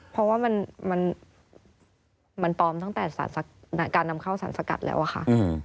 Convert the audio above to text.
เพราะว่ามันปลอมตั้งแต่การนำเข้าสารสกัดแล้วอะค่ะ